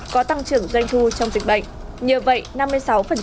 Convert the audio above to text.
có tăng trưởng doanh thu trong dịch bệnh